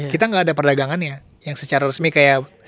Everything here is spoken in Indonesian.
kita nggak ada perdagangannya yang secara resmi kayak